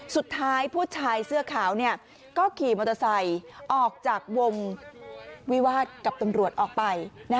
สุดท้ายผู้ชายเสื้อขาวก็ขี่มอเตอร์ไซค์ออกจากวงวิวาสกับตำรวจออกไป